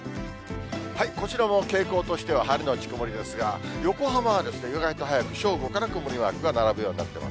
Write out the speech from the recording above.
こちらも傾向としては晴れ後曇りですが、横浜は意外と早く、正午から曇りマークが並ぶようになっています。